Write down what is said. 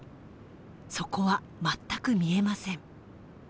底は全く見えません。